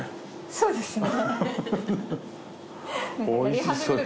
そうですね。